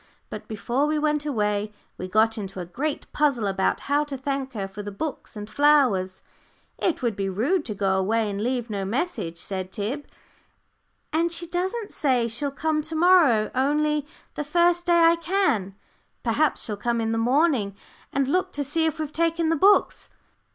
But before we went away we got into a great puzzle about how to thank her for the books and flowers. "It would be rude to go away and leave no message," said Tib. "And she doesn't say she'll come to morrow, only 'The first day I can.' Perhaps she'll come in the morning, and look to see if we've taken the books."